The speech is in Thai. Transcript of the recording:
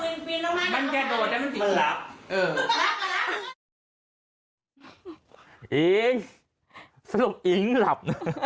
อิงสรุปอิ๊งหลับนะ